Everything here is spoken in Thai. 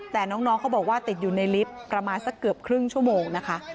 แต่น้องเขาบอกว่าติดอยู่ในลิฟต์ประมาณสักเกือบครึ่งชั่วโมงนะคะ